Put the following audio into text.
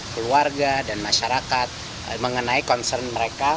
keluarga dan masyarakat mengenai concern mereka